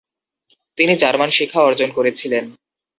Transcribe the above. তিনি জার্মান শিক্ষা অর্জন করেছিলেন।